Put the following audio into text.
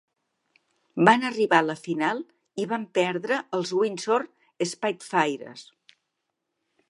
Van arribar a la final i van perdre els Windsor Spitfires.